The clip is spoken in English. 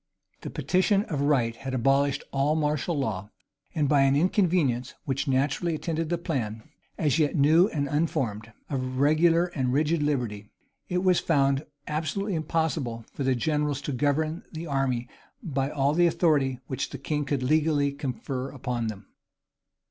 [] The petition of right had abolished all martial law; and by an inconvenience which naturally attended the plan, as yet new and unformed, of regular and rigid liberty, it was found absolutely impossible for the generals to govern the army by all the authority which the king could legally confer upon them.